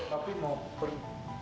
tapi mau apa perlu